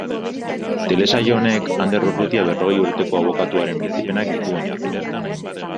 Telesaio honek Ander Urrutia berrogei urteko abokatuaren bizipenak ditu oinarri.